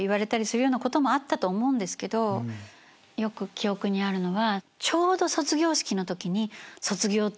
記憶にあるのは。